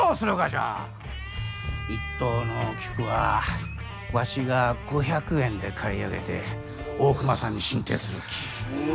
一等の菊はわしが５００円で買い上げて大隈さんに進呈するき。